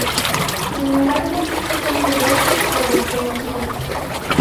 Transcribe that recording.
Sin embargo, muchos son dudosos o desconocidos.